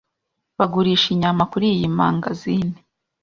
Bagurisha inyama kuriyi mangazini.